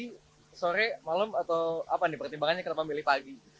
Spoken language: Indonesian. jadi sore malam atau apa nih pertimbangannya kenapa milih pagi